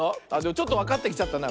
ちょっとわかってきちゃったな。